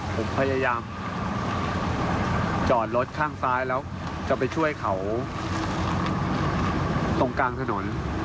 ผมพยายามจอดรถข้างซ้ายแล้วจะไปช่วยเขาตรงกลางถนน